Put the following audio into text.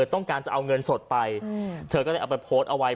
ต้องการจะเอาเงินสดไปเธอก็เลยเอาไปโพสต์เอาไว้